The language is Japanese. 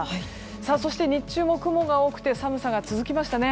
そして日中も雲が多くて寒さが続きましたね。